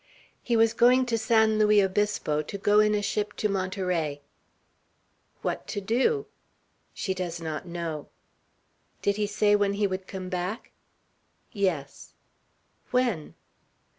"He was going to San Luis Obispo, to go in a ship to Monterey." "What to do?" "She does not know." "Did he say when he would come back?" "Yes." "When?"